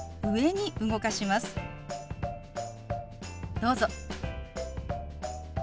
どうぞ。